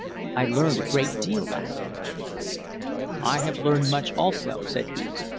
I learned a great deal last night." "I have learned much also," said he.